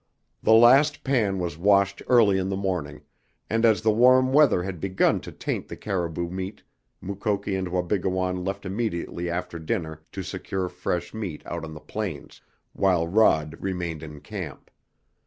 The last pan was washed early in the morning, and as the warm weather had begun to taint the caribou meat Mukoki and Wabigoon left immediately after dinner to secure fresh meat out on the plains, while Rod remained in camp.